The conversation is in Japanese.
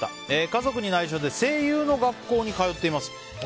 家族に内緒で声優の学校に通っています。